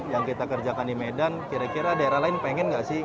yang kita kerjakan di medan kira kira daerah lain pengen nggak sih